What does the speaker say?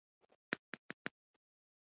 هغه په منډه بیرته دکان ته ورنوت.